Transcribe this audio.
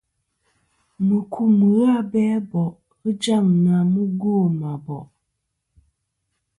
Mùkum ghɨ abe a bò' ghɨ jaŋ na mugwo mɨ a bò'.